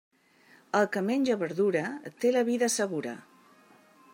El que menja verdura té la vida segura.